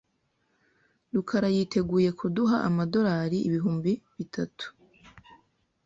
rukarayiteguye kuduha amadolari ibihumbi bitatu.